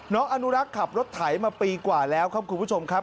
น้องอนุรักษ์ขับรถไถมาปีกว่าแล้วครับคุณผู้ชมครับ